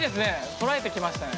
とらえてきましたね。